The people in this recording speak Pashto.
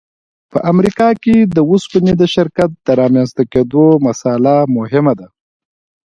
په امریکا کې د اوسپنې د شرکت د رامنځته کېدو مسأله مهمه ده